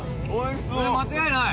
それ間違いない！